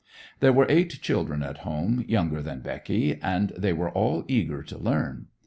There were eight children at home, younger than Becky, and they were all eager to learn.